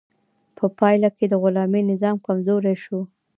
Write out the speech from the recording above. په پایله کې د غلامي نظام کمزوری شو.